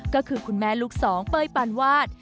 ก็คือคุณแม่ลูกสองเป้ยปานวาด